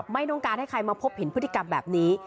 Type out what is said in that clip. ไม่ต้องการให้ใครมาพบเห็นพฤติกรรมแบบนี้